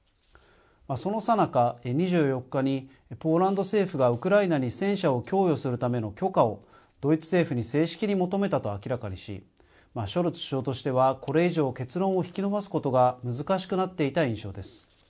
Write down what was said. そのさなか、２４日にポーランド政府がウクライナに戦車を供与するための許可をドイツ政府に正式に求めたと明らかにしショルツ首相としてはこれ以上結論を引き延ばすことが難しくなっていた印象です。